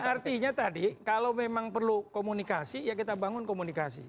artinya tadi kalau memang perlu komunikasi ya kita bangun komunikasi